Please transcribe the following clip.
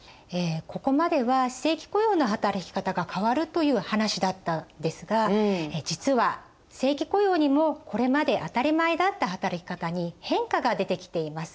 ここまでは非正規雇用の働き方が変わるという話だったんですが実は正規雇用にもこれまで当たり前だった働き方に変化が出てきています。